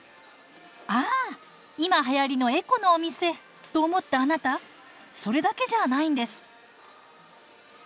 ああ今はやりのエコのお店と思ったあなたそれだけじゃないんです。